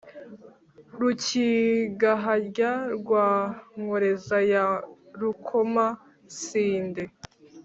rukigaharya rwa nkoreza ya rukoma-sinde